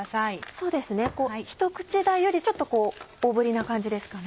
そうですねひと口大よりちょっと大ぶりな感じですかね。